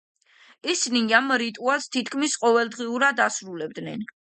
ისინი ამ რიტუალს თითქმის ყოველდღიურად ასრულებდნენ.